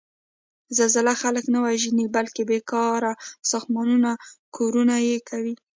زلزله خلک نه وژني، بلکې بېکاره ساختمانونه کورنه یې کوي.